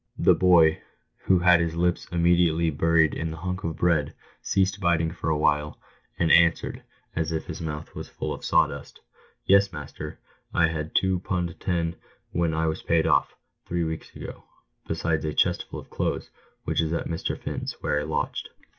The boy, who had his lips immediately buried in the hunk of bread, ceased biting for a while, and answered, as if his mouth was full of sawdust, " Yes, master ; I had two pund ten when I was paid off, three weeks ago, besides a chest full of clothes, which is at Mr. Finn's, where I lodged."